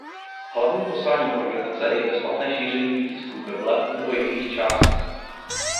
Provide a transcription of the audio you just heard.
Hlavním posláním organizace je bezplatné šíření výtisků Bible nebo jejích částí.